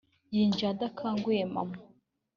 yinjiye adakanguye mama